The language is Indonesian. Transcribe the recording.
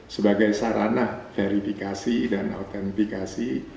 sebagai sarana verifikasi dan autentikasi